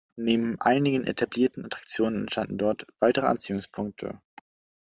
Neben einigen etablierten Attraktionen entstanden dort weitere Anziehungspunkte.